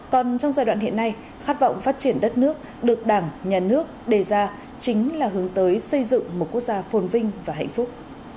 còn trong giai đoạn hiện nay khát vọng phát triển đất nước được đảng nhà nước đề ra chính là hướng tới xây dựng một quốc gia phồn vinh và hạnh phúc